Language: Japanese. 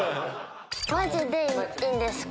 マジでいいんですか？